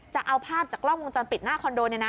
จะเอาภาพจากกล้องวงจรปิดหน้าคอนโดเนี่ยนะ